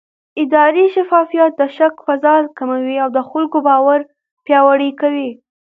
اداري شفافیت د شک فضا کموي او د خلکو باور پیاوړی کوي